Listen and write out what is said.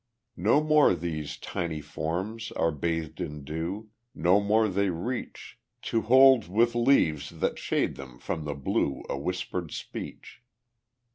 No more these tiny forms are bathed in dew, No more they reach, To hold with leaves that shade them from the blue A whispered speech.